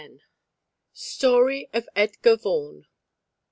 STORY OF EDGAR VAUGHAN.